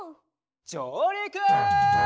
じょうりく！